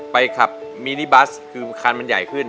ไปขับมินิบัสคือคันมันใหญ่ขึ้น